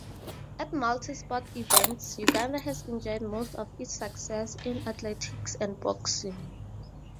At multi-sport events, Uganda has enjoyed most of its success in athletics and boxing.